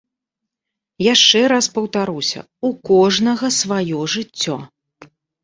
Яшчэ раз паўтаруся, у кожнага сваё жыццё.